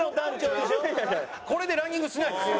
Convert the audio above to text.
これでランニングしないですよ。